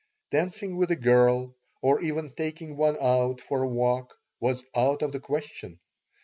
Dancing with a girl, or even taking one out for a walk, was out of the question.